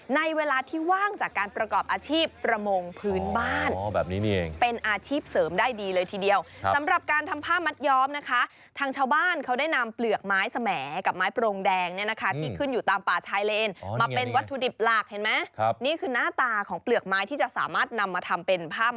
ในเวลาที่ว่างจากการประกอบอาชีพประมงพื้นบ้าน